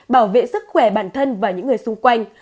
bảo vệ sức khỏe bản thân và những người xung quanh